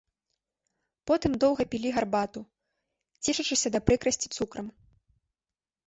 Потым доўга пілі гарбату, цешачыся да прыкрасці цукрам.